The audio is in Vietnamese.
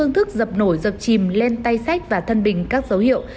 thức dập nổi dập chìm lên tay sách và thân bình các dấu hiệu